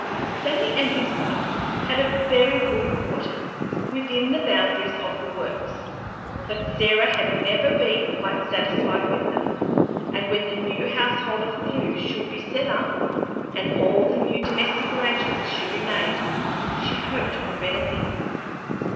Sammy and his wife had very good quarters within the boundaries of the works, but Sarah had never been quite satisfied with them, and when the new household of Clewe should be set up, and all the new domestic arrangements should be made, she hoped for better things.